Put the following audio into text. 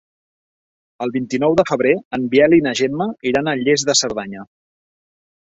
El vint-i-nou de febrer en Biel i na Gemma iran a Lles de Cerdanya.